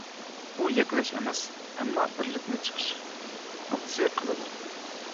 بۇ يەكلەش ئەمەس، ئەمما بىرلىكنى چىقىش نۇقتىسى قىلىدۇ.